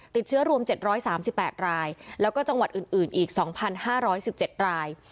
ติดเชื้อรวม๗๓๘รายแล้วก็จังหวัดอื่นอีก๒๕๑๗ราย